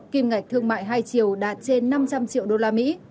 kim ngạch thương mại hai triều đạt trên năm trăm linh triệu usd